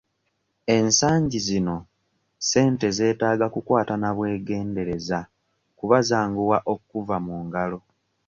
Ensangi zino ssente zeetaaga kukwata na bwegendereza kuba zanguwa okkuva mu ngalo.